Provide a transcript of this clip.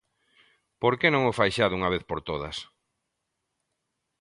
¿Por que non o fai xa dunha vez por todas?